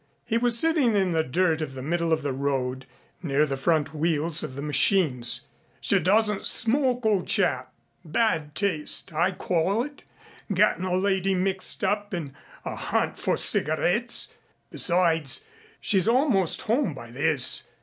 He was sitting in the dirt of the middle of the road near the front wheels of the machines. "She doesn't smoke, o' chap. Bad taste, I call it, gettin' a lady mixed up in a hunt for cigarettes. Besides she's almost home by this.